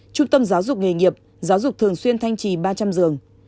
trung tâm giáo dục nghề nghiệp giáo dục thường xuyên thanh trì ba trăm linh giường